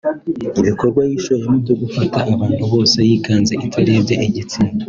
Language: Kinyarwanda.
Ibikorwa yishoyemo byo gufata abantu bose yikanze itarebye igitsina